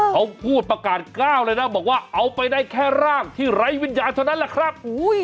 เขาพูดประกาศก้าวเลยนะบอกว่าเอาไปได้แค่ร่างที่ไร้วิญญาณเท่านั้นแหละครับ